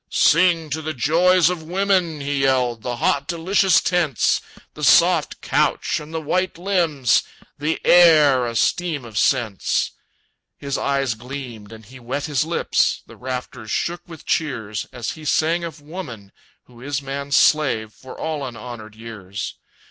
"Sing to the joys of women!" he yelled, "The hot delicious tents, The soft couch, and the white limbs; The air a steam of scents!" His eyes gleamed, and he wet his lips, The rafters shook with cheers, As he sang of woman, who is man's slave For all unhonored years.